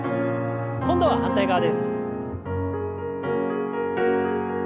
今度は反対側です。